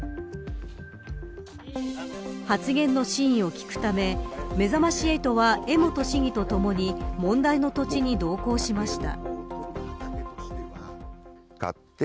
発言の真意を聞くためめざまし８は江本市議とともに問題の土地に同行しました。